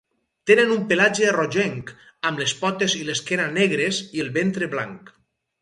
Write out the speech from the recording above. Tenen un pelatge rogenc, amb les potes i l'esquena negres i el ventre blanc.